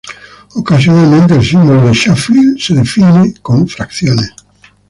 Ocasionalmente, el símbolo de Schläfli se define con fracciones.